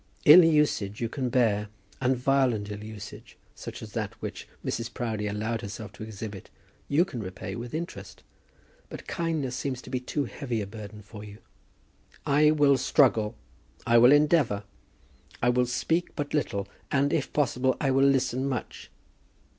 "Ill usage you can bear; and violent ill usage, such as that which Mrs. Proudie allowed herself to exhibit, you can repay with interest; but kindness seems to be too heavy a burden for you." "I will struggle. I will endeavour. I will speak but little, and, if possible, I will listen much.